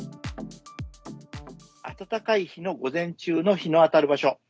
暖かい日の午前中の日の当たる場所。